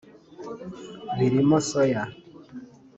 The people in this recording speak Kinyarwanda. birimo soya